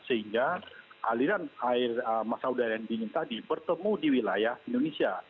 sehingga aliran air masa udara yang dingin tadi bertemu di wilayah indonesia